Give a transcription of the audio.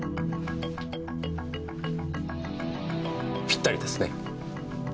ぴったりですね。